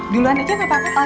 duluan aja gak patah